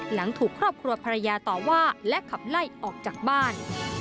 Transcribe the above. หลังถูกครอบครัวภรรยาต่อว่าและขับไล่ออกจากบ้าน